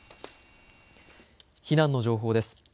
避難の情報です。